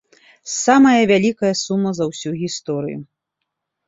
Самая вялікая сума за ўсю гісторыю.